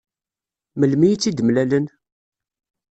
Melmi i tt-id-mlalen?